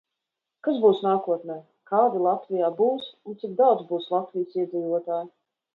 Kas būs nākotnē, kādi Latvijā būs un cik daudz būs Latvijas iedzīvotāju?